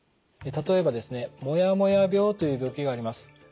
例えばですねもやもや病という病気があります。